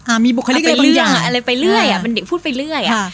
มีบุคลิกอะไรบางอย่างอะไรไปเรื่อยอ่ะเป็นเด็กพูดไปเรื่อยค่ะ